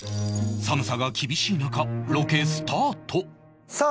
寒さが厳しい中ロケスタートさあ